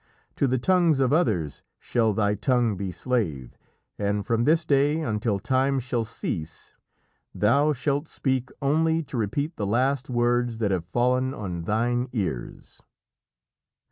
To the tongues of others shall thy tongue be slave, and from this day until time shall cease thou shalt speak only to repeat the last words that have fallen on thine ears."